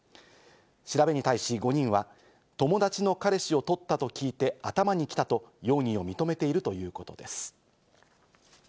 調べに対し、５人は友達の彼氏を取ったと聞いて頭にきたと容疑を認めているということです。